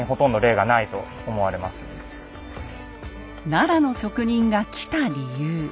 奈良の職人が来た理由。